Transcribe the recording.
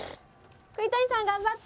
栗谷さん頑張って！